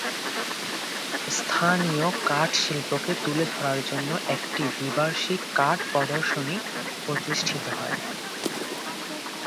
স্থানীয় কাঠ শিল্পকে তুলে ধরার জন্য একটি দ্বিবার্ষিক কাঠ প্রদর্শনী প্রতিষ্ঠিত হয়।